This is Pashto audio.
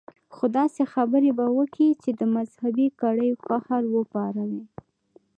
خو داسې خبرې به وکي چې د مذهبي کړيو قهر وپاروي.